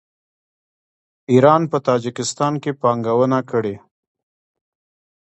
ایران په تاجکستان کې پانګونه کړې.